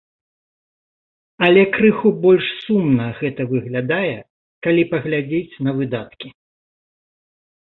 Але крыху больш сумна гэта выглядае, калі паглядзець на выдаткі.